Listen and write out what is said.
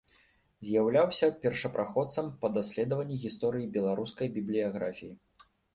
З'яўляўся першапраходцам па даследаванні гісторыі беларускай бібліяграфіі.